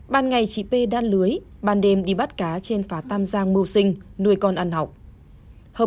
ban ngày chị p đan lưới ban đêm đi bắt cá trên phá tam giang mưu sinh